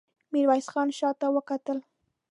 ميرويس خان شاته وکتل.